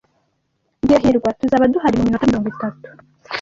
Bwira hirwa tuzaba duhari muminota mirongo itatu.